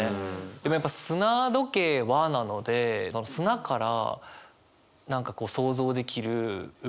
でもやっぱ「砂時計は」なので砂から何かこう想像できる動きなのかなと思って